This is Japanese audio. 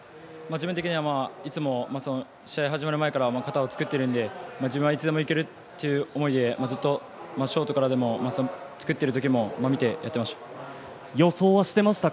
自分的には、いつも試合始まる前から肩を作っているので自分はいつでもいけるという思いでずっとショートからでも作っている時から思ってやっていました。